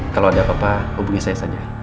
kalau ada apa apa hubungi saya saja